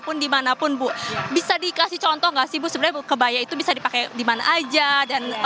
pun dimanapun bu bisa dikasih contoh nggak sih bu sebenarnya kebaya itu bisa dipakai dimana aja dan